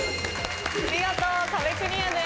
見事壁クリアです。